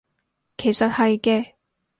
其實係嘅